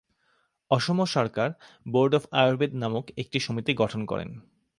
অসম সরকার board of Ayurveda নামক একটি সমিতি গঠন করেন।